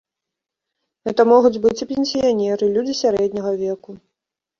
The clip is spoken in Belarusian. Гэта могуць быць і пенсіянеры, людзі сярэдняга веку.